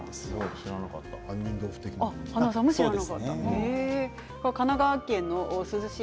知らなかったです。